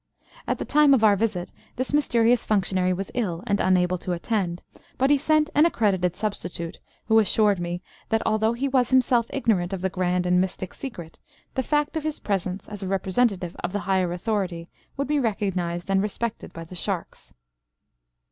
At the time of our visit, this mysterious functionary was ill, and unable to attend; but he sent an accredited substitute, who assured me that, although he was himself ignorant of the grand and mystic secret, the fact of his presence, as a representative of the higher authority, would be recognised and respected by the sharks."